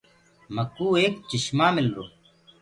تو مڪوُ ايڪ چشمآݪو ملرو۔